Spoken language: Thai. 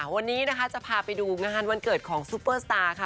วันนี้นะคะจะพาไปดูงานวันเกิดของซุปเปอร์สตาร์ค่ะ